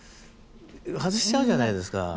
外しちゃうじゃないですか。